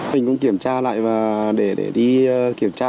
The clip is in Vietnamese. mình cũng kiểm tra lại để đi kiểm tra